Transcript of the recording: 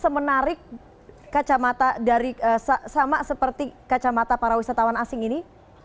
semenarik kacamata sama seperti kacamata para wisatawan asing ini